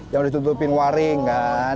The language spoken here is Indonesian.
yang ditutupin waring kan